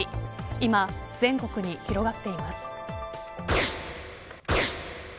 今、全国に広がっています。